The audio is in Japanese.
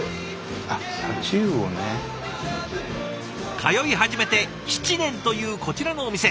通い始めて７年というこちらのお店。